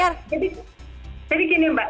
jadi gini mbak